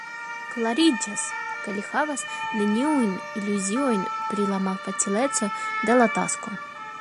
Klariĝas, ke li havas neniujn iluziojn pri la malfacileco de la tasko.